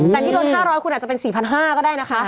แต่ที่ลด๕๐๐คุณอาจจะเป็น๔๕๐๐ก็ได้นะคะ